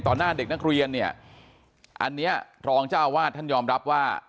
หน้าเด็กนักเรียนเนี่ยอันนี้รองเจ้าวาดท่านยอมรับว่า